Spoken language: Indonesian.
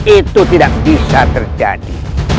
itu tidak bisa terjadi